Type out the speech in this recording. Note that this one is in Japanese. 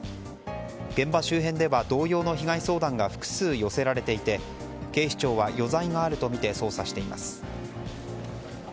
現場周辺では同様の被害相談が複数寄せられていて警視庁は余罪があるとみて捜査しています。